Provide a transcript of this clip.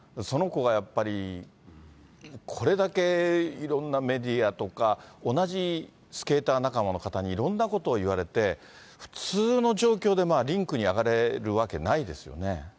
その子がやっぱり、これだけいろんなメディアとか同じスケーター仲間の方に、いろんなことを言われて、普通の状況でリンクに上がれるわけないですよね。